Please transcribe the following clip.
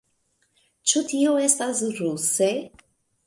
Ĉu tio estas ruse?